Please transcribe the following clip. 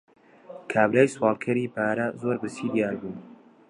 کابرای سواڵکەری پارە، زۆر برسی دیار بوو.